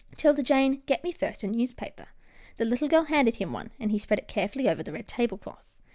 " 'Tilda Jane, get me first a newspaper." The little girl handed him one, and he spread it carefully over the red table cloth.